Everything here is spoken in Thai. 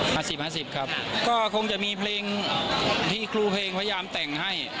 ห้าสิบห้าสิบครับก็คงจะมีเพลงที่ครูเพลงพยายามแต่งให้